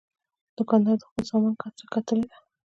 دوکاندار د خپل سامان ګټه ټاکلې ساتي.